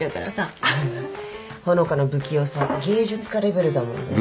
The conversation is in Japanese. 穂香の不器用さ芸術家レベルだもんね。